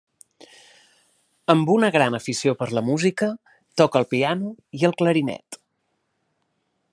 Amb una gran afició per la música, toca el piano i el clarinet.